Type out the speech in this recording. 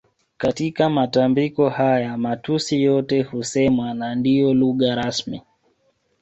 Katika matambiko haya matusi yote husemwa na ndio lugha rasmi